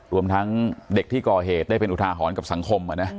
รวมทั้งเด็กที่ก่อเหตุได้เป็นอุทาหรณ์กับสังคม